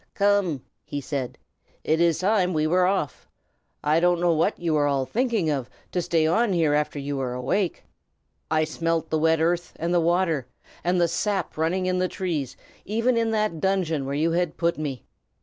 "Come!" he said. "It is time we were off. I don't know what you are all thinking of, to stay on here after you are awake. I smelt the wet earth and the water, and the sap running in the trees, even in that dungeon where you had put me.